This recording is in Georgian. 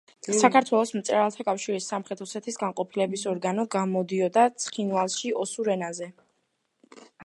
საქართველოს მწერალთა კავშირის სამხრეთ ოსეთის განყოფილების ორგანო, გამოდიოდა ცხინვალში ოსურ ენაზე.